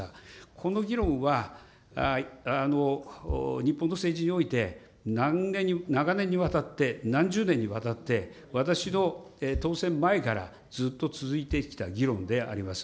この議論は日本の政治において、長年にわたって、何十年にわたって、私の当選前からずっと続いてきた議論であります。